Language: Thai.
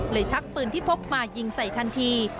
ชักปืนที่พกมายิงใส่ทันที